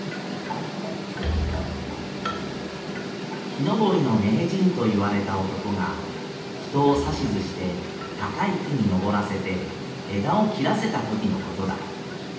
「木登りの名人といわれた男が人をさし図して高い木に登らせて枝を切らせたときのことだ。